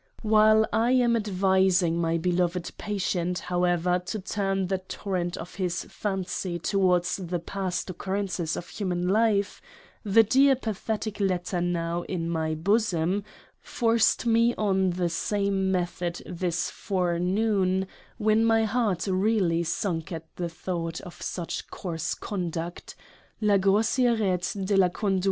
Whilst I am advising my beloved Patient, however, to turn the Torrent of his Fancy toward the past occurrences of human Life ; the Dear pathetic Letter now in my Bosom — forced me on the same method this forenoon, when my Heart really sunk at the Thought of such coarse conduct la Grossierete de la Conduit TO W.